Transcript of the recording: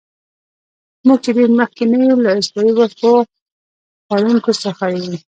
موږ چې ډېر مخکې نه یو، له استوایي وښو خوړونکو څخه وو.